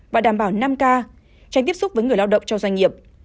và đảm bảo năm k tránh tiếp xúc với người lao động cho doanh nghiệp